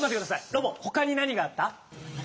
ロボほかになにがあった？